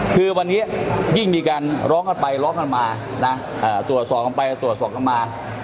คือวันนี้ยิ่งมีการร้องกันไปร้องกันมานะตรวจสอบกันไปตรวจสอบกันมา